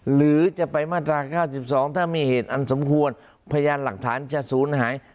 หรือจะไปมาตรา๙๒ถ้ามีเหตุอันสมควรพยานหลักฐานจะศูนย์หาย